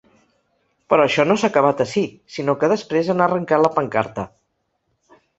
Però això no s’ha acabat ací, sinó que després han arrencat la pancarta.